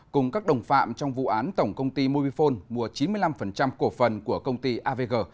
cùng các đồng phạm trong vụ án tổng công ty mobifone mua chín mươi năm cổ phần của công ty avg